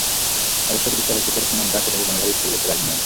অবশ্য প্রতিষ্ঠাতা কিশোর কুমার দাশ এটাকে কোনোভাবেই স্কুল বলতে রাজি নন।